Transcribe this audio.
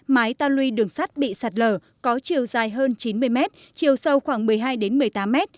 mái ta luy đường sắt bị sạt lở có chiều dài hơn chín mươi mét chiều sâu khoảng một mươi hai một mươi tám m